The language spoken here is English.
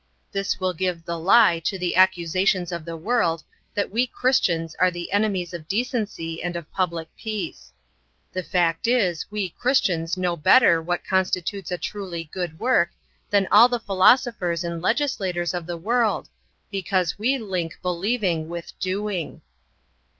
This will give the lie to the accusations of the world that we Christians are the enemies of decency and of public peace. The fact is we Christians know better what constitutes a truly good work than all the philosophers and legislators of the world because we link believing with doing.